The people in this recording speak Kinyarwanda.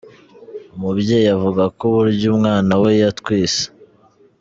Umubyeyi avuga ko uburyo umwana we yatwise